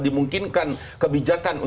dimungkinkan kebijakan untuk kayak begitu